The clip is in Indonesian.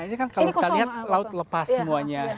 ini kan kalau kita lihat laut lepas semuanya